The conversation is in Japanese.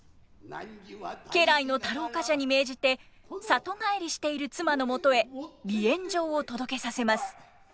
家来の太郎冠者に命じて里帰りしている妻の元へ離縁状を届けさせます。